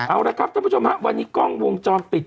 เอาละครับท่านผู้ชมฮะวันนี้กล้องวงจรปิด